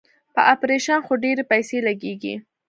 پر اپرېشن خو ډېرې پيسې لگېږي.